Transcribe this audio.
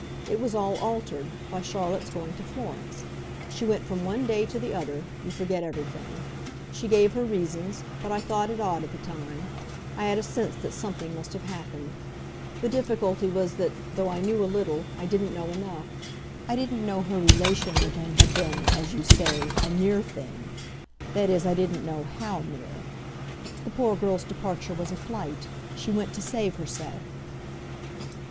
It was all altered by Charlotte's going to Florence. She went from one day to the other you forget everything. She gave her reasons, but I thought it odd, at the time; I had a sense that something must have happened. The difficulty was that, though I knew a little, I didn't know enough. I didn't know her relation with him had been, as you say, a 'near' thing that is I didn't know HOW near. The poor girl's departure was a flight she went to save herself."